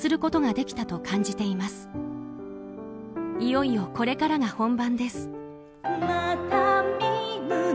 いよいよ、これからが本番。